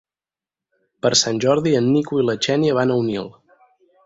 Per Sant Jordi en Nico i na Xènia van a Onil.